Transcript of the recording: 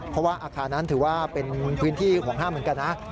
เพราะว่าอาคารนั้นถือว่าเป็นพื้นที่ของห้างเหมือนกันนะ